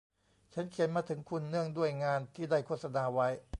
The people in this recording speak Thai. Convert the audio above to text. ฉันเขียนมาถึงคุณเนื่องด้วยงานที่ได้โฆษณาไว้